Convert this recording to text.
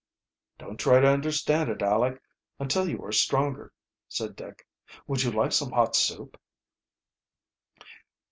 "Don't try to understand it, Aleck, until you are stronger," said Dick. "Would you like some hot soup?"